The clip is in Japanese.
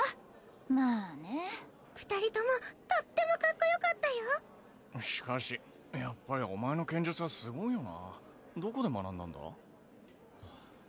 まあね二人ともとってもカッコよかったよしかしやっぱりお前の剣術はすごいよなどこで学んだんだ？